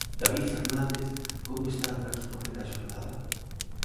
David Fernández, como está a transcorrer a xornada?